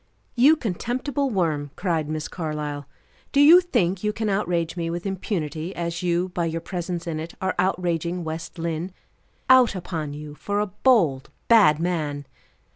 "You contemptible worm!" cried Miss Carlyle, "do you think you can outrage me with impunity as you, by your presence in it, are outraging West Lynne? Out upon you for a bold, bad man!"